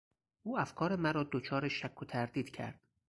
او افکار مرا دچار شک و تردید کرد.